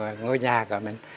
ở trong cái ngôi nhà của mình